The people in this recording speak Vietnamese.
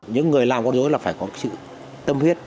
những người làm con đối là phải có sự tâm huyết